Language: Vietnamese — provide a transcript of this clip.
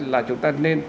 là chúng ta nên